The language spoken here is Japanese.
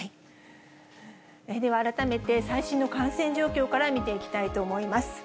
では改めて、最新の感染状況から見ていきたいと思います。